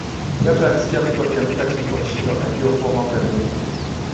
Ghafla alisikia mtu akianguka chini kwa kishindo akajua kuwa mambo yameiva